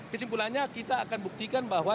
kesimpulannya kita akan buktikan bahwa